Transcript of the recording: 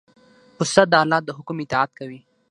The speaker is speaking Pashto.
پسه د الله د حکم اطاعت کوي.